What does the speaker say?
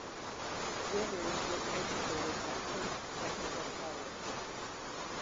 Withers was educated at Perth Technical College.